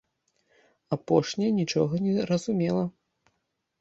Апошняя нічога не разумела.